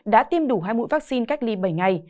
đã tiêm đủ hai mũi vaccine cách ly bảy ngày